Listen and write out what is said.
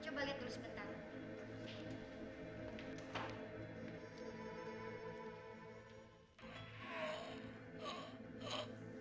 coba lihat dulu sebentar